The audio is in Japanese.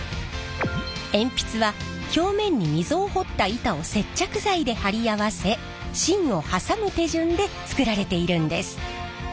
鉛筆は表面に溝を掘った板を接着剤で貼り合わせ芯をはさむ手順で作られているんです。